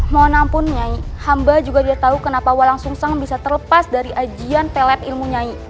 mohon ampun nyai hamba juga tidak tahu kenapa walang sungsang bisa terlepas dari ajen pelet ilmu nyai